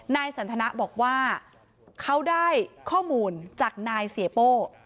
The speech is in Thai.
นายสันทนะบอกว่าเขาได้ข้อมูลจากนายเสียโป้